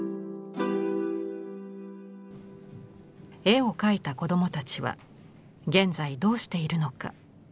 絵を描いた子どもたちは現在どうしているのか。